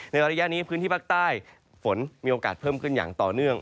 ระยะนี้พื้นที่ภาคใต้ฝนมีโอกาสเพิ่มขึ้นอย่างต่อเนื่อง